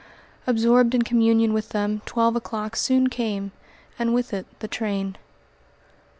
Absorbed in communion with them twelve o'clock soon came, and with it the train.